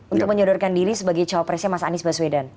untuk menyodorkan diri sebagai cawapresnya mas anies baswedan